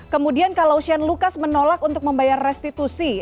kemudian kalau shane lucas menolak untuk membayar restitusi